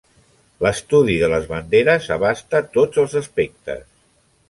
L'estudi de les banderes abasta tots els aspectes.